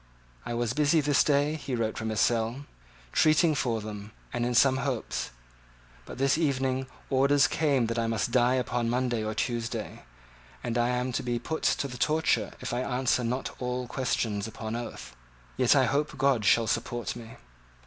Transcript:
"I was busy this day," he wrote from his cell, "treating for them, and in some hopes. But this evening orders came that I must die upon Monday or Tuesday; and I am to be put to the torture if I answer not all questions upon oath. Yet I hope God shall support me."